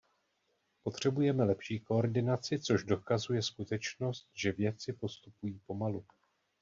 Potřebujeme lepší koordinaci, což dokazuje skutečnost, že věci postupují pomalu.